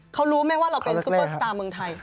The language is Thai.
เขารู้ไหมว่าเราเป็นซุปเปอร์สตาร์เมืองไทย